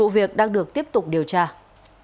vụ việc đang được tiếp tục điều tra xử lý